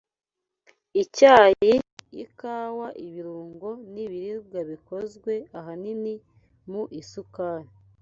Icyayi, ikawa, ibirungo n’ibiribwa bikozwe ahanini mu isukari